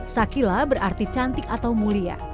sakila berarti cantik atau mulia